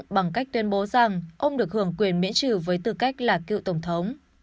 bằng cách tuyên bố rằng ông được hưởng quyền miễn trừ với tư cách là cựu tổng thống